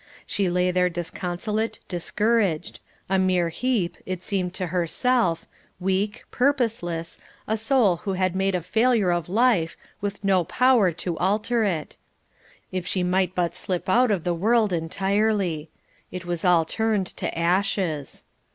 She lay there disconsolate, discouraged a mere heap, it seemed to herself, weak, purposeless, a soul who had made a failure of life, with no power to alter it. If she might but slip out of the world entirely; it was all turned to ashes.